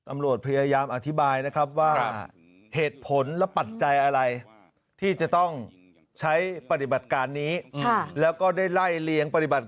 ไม่ทุกคนครับ